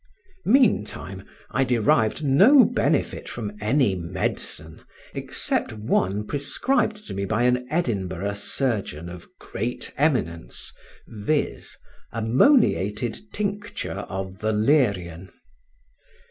Meantime, I derived no benefit from any medicine, except one prescribed to me by an Edinburgh surgeon of great eminence, viz., ammoniated tincture of valerian.